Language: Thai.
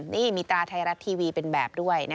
นี่มีตราไทยรัฐทีวีเป็นแบบด้วย